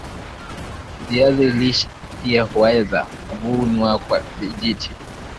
viazi lishe pia huweza kuvunwa kwa vijiti